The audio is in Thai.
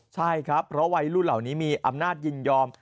ใช่ครับเพราะวัยรุ่นเหล่านี้มีอำนาจยินยอม